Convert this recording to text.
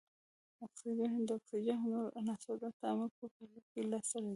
اکسایدونه د اکسیجن او نورو عناصرو تعامل په پایله کې لاس ته راځي.